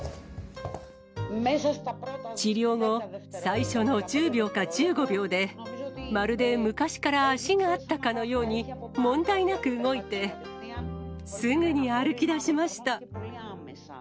治療後、最初の１０秒か１５秒で、まるで昔から足があったかのように、問題なく動いて、すぐに歩きだしました。